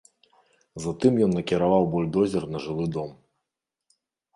Затым ён накіраваў бульдозер на жылы дом.